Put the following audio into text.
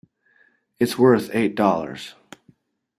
It's worth eight dollars.